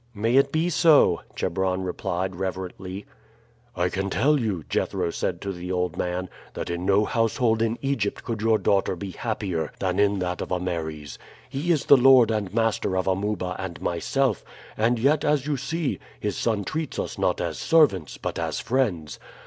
"May it be so," Chebron replied reverently. "I can tell you," Jethro said to the old man, "that in no household in Egypt could your daughter be happier than in that of Ameres. He is the lord and master of Amuba and myself, and yet, as you see, his son treats us not as servants, but as friends.